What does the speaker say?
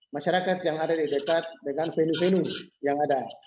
masyarakat yang ada di dekat dengan venue venue yang ada